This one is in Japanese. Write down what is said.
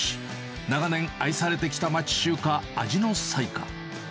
長年、愛されてきた町中華、味の彩華。